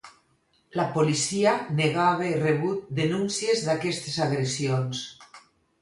La policia negà haver rebut denúncies d'aquestes agressions.